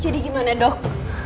jadi gimana dong